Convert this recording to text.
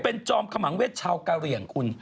เป็นจอมขมังเวชชาวกะเหลี่ยงคุณ